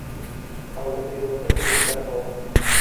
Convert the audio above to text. او له تېروتنې زدکړه وکړه.